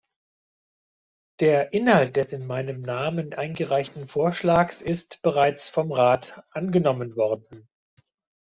Der Inhalt des in meinem Namen eingereichten Vorschlags ist bereits vom Rat angenommen worden.